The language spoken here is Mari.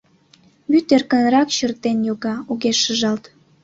Вӱд эркынрак чыртен йога, огеш шыжалт.